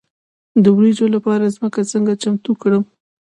د وریجو لپاره ځمکه څنګه چمتو کړم؟